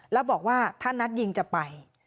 แล้วบอกว่าถ้านัดยิงจะไป